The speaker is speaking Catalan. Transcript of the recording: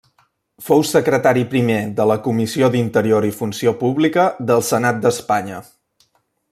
Fou secretari primer de la Comissió d'Interior i Funció Pública del Senat d'Espanya.